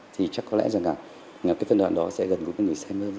thì chắc có lẽ rằng là cái phần đoạn đó sẽ gần gũi với những người xem mơ rất nhiều